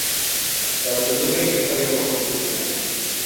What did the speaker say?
তারা দুজনেই ইতালীয় বংশোদ্ভূত ছিলেন।